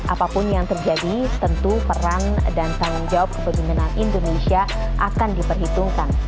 apapun yang terjadi tentu peran dan tanggung jawab kepemimpinan indonesia akan diperhitungkan